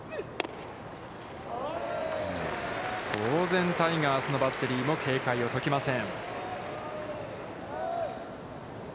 当然タイガースのバッテリーも警戒を解きません。